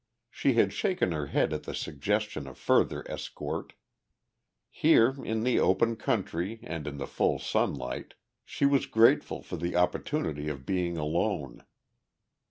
She had shaken her head at the suggestion of further escort. Here, in the open country and in the full sunlight, she was grateful for the opportunity of being alone.